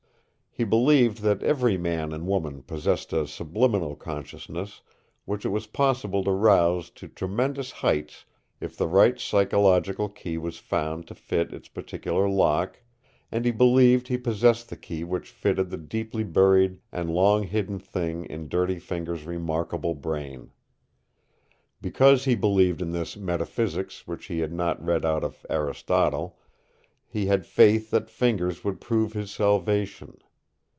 He believed that every man and woman possessed a subliminal consciousness which it was possible to rouse to tremendous heights if the right psychological key was found to fit its particular lock, and he believed he possessed the key which fitted the deeply buried and long hidden thing in Dirty Fingers' remarkable brain. Because he believed in this metaphysics which he had not read out of Aristotle, he had faith that Fingers would prove his salvation.